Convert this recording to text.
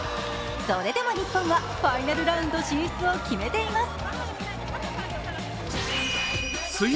それでも日本はファイナルラウンド進出を決めています。